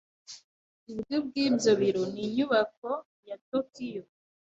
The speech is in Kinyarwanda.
Iburyo bw'ibyo biro ni Inyubako ya Tokiyo.